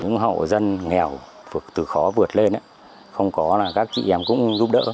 nghèo từ khó vượt lên không có là các chị em cũng giúp đỡ